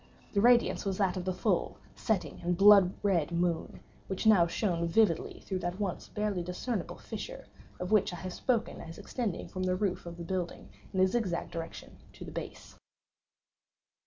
The radiance was that of the full, setting, and blood red moon, which now shone vividly through that once barely discernible fissure, of which I have before spoken as extending from the roof of the building, in a zigzag direction, to the base.